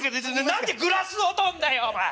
何でグラスを取んだよお前！